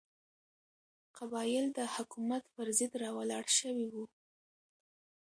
قبایل د حکومت پر ضد راولاړ شوي وو.